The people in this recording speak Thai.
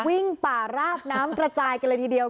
วิ่งป่าราบน้ำกระจายกันเลยทีเดียว